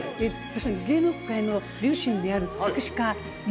芸能界の両親である作詞家悠